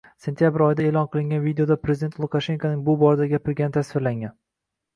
Sentyabr oyida e`lon qilingan videoda prezident Lukashenkoning bu borada gapirgani tasvirlangan